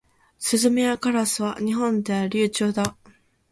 スズメやカラスは日本では留鳥だ。